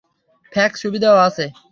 Fax সুবিধাও আছে।